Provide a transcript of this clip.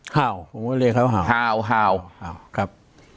ฮ่าวผมก็เรียกเขาฮ่าวฮ่าวฮ่าวครับ